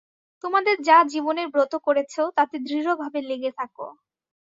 তোমাদের যা জীবনের ব্রত করেছ, তাতে দৃঢ়ভাবে লেগে থাক।